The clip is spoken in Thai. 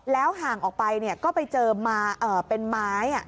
แล้วห่างออกไปเนี่ยก็ไปเจอมาเป็นไม้